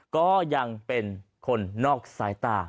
ก็ยังเป็นคนนอกสายตา